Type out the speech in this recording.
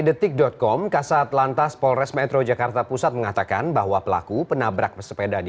detik com kasat lantas polres metro jakarta pusat mengatakan bahwa pelaku penabrak pesepeda di